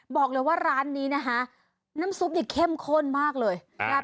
บอกเลยว่าร้านนี้นะคะน้ำซุปเนี่ยเข้มข้นมากเลยครับ